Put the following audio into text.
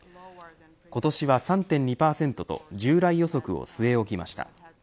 今年は３．２％と従来予測を据え置きました。